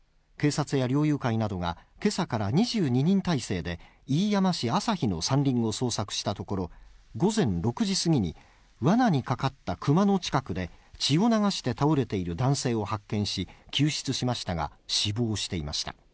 警察や猟友会などが今朝から２２人態勢で飯山市旭の山林を捜索したところ、午前６時過ぎに、わなにかかったクマの近くで血を流して倒れている男性を発見し、救出しましたが、死亡していました。